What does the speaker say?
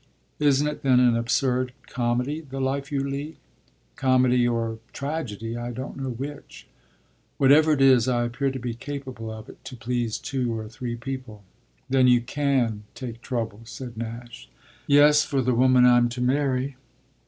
"Isn't it then an absurd comedy, the life you lead?" "Comedy or tragedy I don't know which; whatever it is I appear to be capable of it to please two or three people." "Then you can take trouble?" said Nash. "Yes, for the woman I'm to marry."